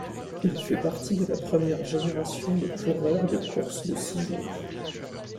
Il fait partie de la première génération de coureurs de course de six jours.